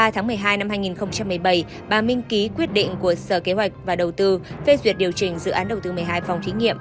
hai mươi tháng một mươi hai năm hai nghìn một mươi bảy bà minh ký quyết định của sở kế hoạch và đầu tư phê duyệt điều chỉnh dự án đầu tư một mươi hai phòng thí nghiệm